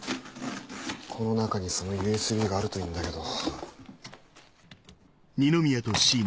この中にそのＵＳＢがあるといいんだけど。